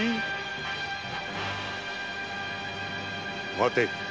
待て。